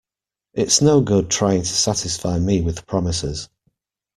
It's no good trying to satisfy me with promises.